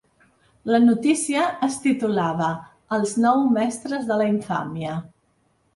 La notícia es titulava ‘Els nou mestres de la infàmia’.